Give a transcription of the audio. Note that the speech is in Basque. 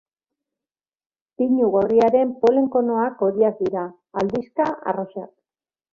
Pinu gorriaren polen konoak horiak dira, aldizka arrosak.